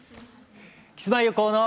「キスマイ横尾の！